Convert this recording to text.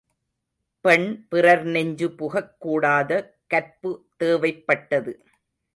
பெண் பிறர் நெஞ்சு புகக் கூடாத கற்பு தேவைப்பட்டது.